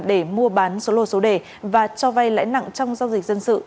để mua bán số lô số đề và cho vay lãi nặng trong giao dịch dân sự